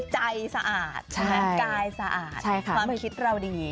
สะอาดกายสะอาดความคิดเราดี